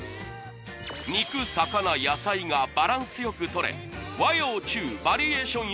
肉魚野菜がバランスよくとれ和洋中バリエーション